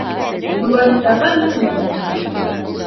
Нуранияға мин әйләнәм.